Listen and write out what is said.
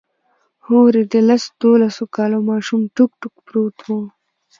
هورې د لس دولسو کالو ماشوم ټوک ټوک پروت و.